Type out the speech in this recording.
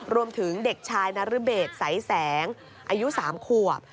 รวมถึงเด็กชายนรเบศสายแสงอายุ๓ขวบ